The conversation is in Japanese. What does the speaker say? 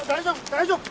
大丈夫！